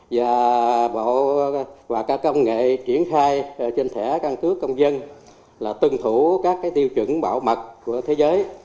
và bộ và các công nghệ triển khai trên thẻ căn cước công dân là tuân thủ các tiêu chuẩn bảo mật của thế giới